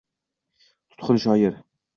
Tutqun shoir, —